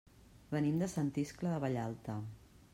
Venim de Sant Iscle de Vallalta.